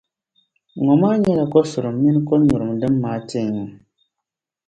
Ŋɔ maa nyɛla kosurum mini konyurim din maai n-tinya.